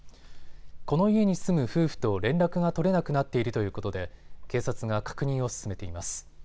この家に住む夫婦と連絡が取れなくなっているということで警察が確認を進めています。